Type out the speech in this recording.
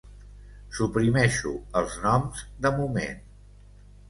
Suprimeixo els noms de moment.